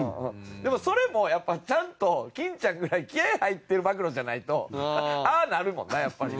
でもそれもやっぱちゃんと金ちゃんぐらい気合入ってる暴露じゃないとああなるもんなやっぱりな。